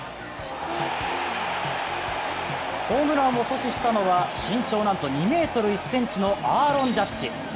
ホームランを阻止したのは身長なんと２ｍ１ｃｍのアーロン・ジャッジ。